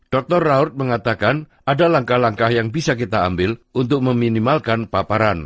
dr raut mengatakan ada langkah langkah yang bisa kita ambil untuk meminimalkan paparan